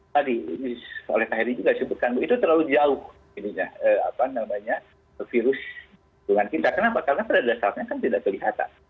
tadi oleh pak heri juga disebutkan bu itu terlalu jauh virus dengan kita kenapa karena pada dasarnya kan tidak kelihatan